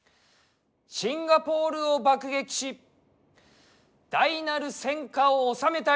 シンガポールを爆撃し大なる戦果を収めたり。